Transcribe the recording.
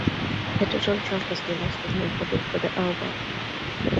The title track was the last to be recorded for the album.